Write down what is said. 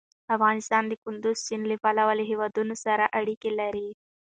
افغانستان د کندز سیند له پلوه له هېوادونو سره اړیکې لري.